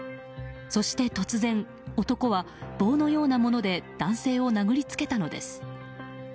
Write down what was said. そして、突然男は棒のようなもので男性を殴りつけたのです。